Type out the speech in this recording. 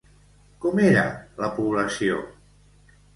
Com era la població?